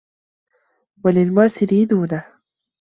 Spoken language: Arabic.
وَلِلْمُعْسِرِ دُونَهُ